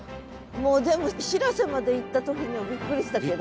もうでもしらせまで行った時にはびっくりしたけど。